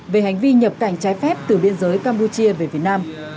về hành vi nhập cảnh trái phép từ biên giới campuchia về việt nam